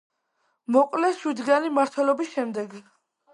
მოკლეს შვიდდღიანი მმართველობის შემდეგ.